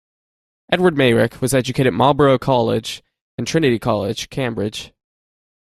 Edward Meyrick was educated at Marlborough College and Trinity College, Cambridge.